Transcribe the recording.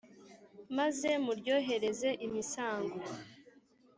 Maze muryohereze imisango